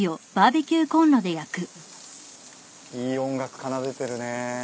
いい音楽奏でてるね。